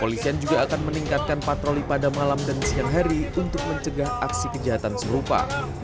polisian juga akan meningkatkan patroli pada malam dan siang hari untuk mencegah aksi kejahatan serupa